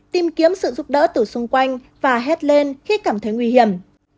bảy tìm kiếm sự giúp đỡ từ xung quanh và hét lên khi cảm thấy nguy hiểm